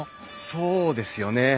そうですよね。